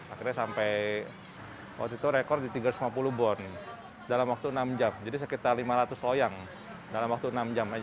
akhirnya sampai waktu itu rekor di tiga ratus lima puluh bond dalam waktu enam jam jadi sekitar lima ratus loyang dalam waktu enam jam